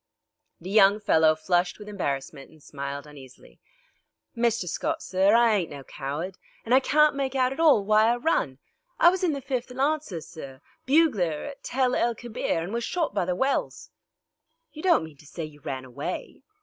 The young fellow flushed with embarrassment and smiled uneasily. "Mr. Scott, sir, I ain't no coward, an' I can't make it out at all why I run. I was in the 5th Lawncers, sir, bugler at Tel el Kebir, an' was shot by the wells." "You don't mean to say you ran away?"